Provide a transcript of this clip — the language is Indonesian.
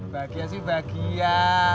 bahagia sih bahagia